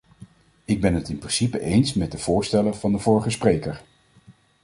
Ik ben het in principe eens met de voorstellen van de vorige spreker.